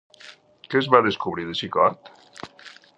Què es va descobrir de xicot?